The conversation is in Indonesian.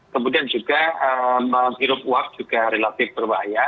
kemudian juga menghirup uap juga relatif berbahaya